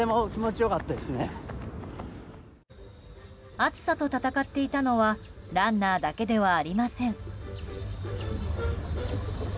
暑さと戦っていたのはランナーだけではありません。